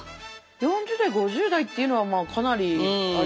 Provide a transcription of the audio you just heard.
４０代５０代っていうのはかなりあれなんじゃない？